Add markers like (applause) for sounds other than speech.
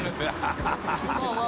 ハハハ (laughs)